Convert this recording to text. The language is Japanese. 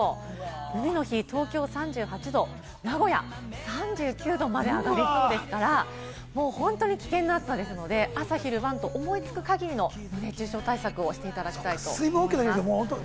海の日、東京３８度、名古屋３９度まで上がる予想ですから、本当に危険な暑さですので、朝昼晩と思いつく限りの熱中症対策をしていただきたいと思います。